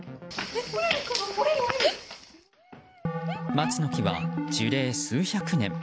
松の木は樹齢数百年。